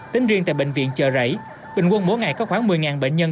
tính riêng tại bệnh viện chợ rẫy bình quân mỗi ngày có khoảng một mươi bệnh nhân